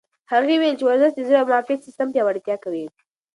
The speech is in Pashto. هغې وویل ورزش د زړه او معافیت سیستم پیاوړتیا کوي.